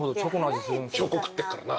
チョコ食ってっからな。